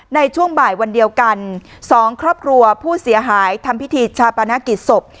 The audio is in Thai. ในช่วงบ่ายวันเดียวกันสองครอบครัวผู้เสียหายทำพิธีชาปนกิจศพ